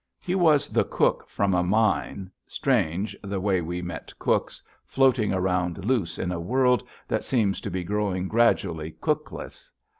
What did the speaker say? He was the cook from a mine strange, the way we met cooks, floating around loose in a world that seems to be growing gradually cookless.